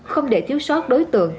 không để thiếu sót đối tượng